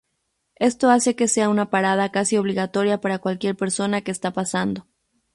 Esto hace que sea una parada casi obligatoria para cualquier persona que está pasando.